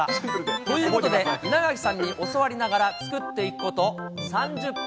ということで、稲垣さんに教わりながら、作っていくこと３０分。